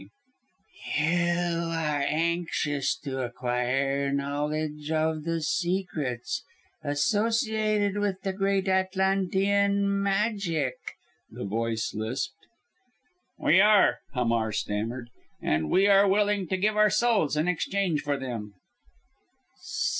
"You are anxious to acquire knowledge of the Secrets associated with the Great Atlantean Magic?" the voice lisped. "We are!" Hamar stammered, "and we are willing to give our souls in exchange for them."